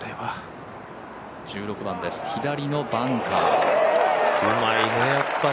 １６番、左のバンカー。